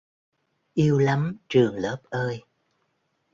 Yêu lắm trường lớp ơi